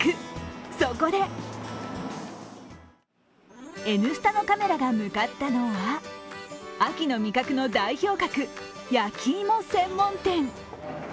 そこで「Ｎスタ」のカメラが向かったのは秋の味覚の代表格焼き芋専門店。